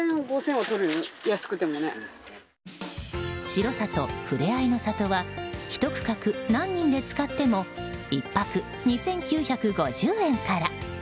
城里ふれあいの里は１区画、何人で使っても１泊２９５０円から。